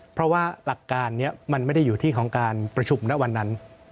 เพราะว่าหลักการนี้มันไม่ได้อยู่ที่ของการประชุมณวันนั้น